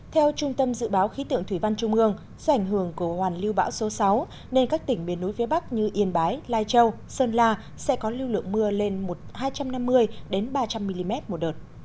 theo trung tâm dự báo khí tượng thủy văn trung ương do ảnh hưởng của hoàn lưu bão số sáu nên các tỉnh miền núi phía bắc như yên bái lai châu sơn la sẽ có lưu lượng mưa lên hai trăm năm mươi ba trăm linh mm một đợt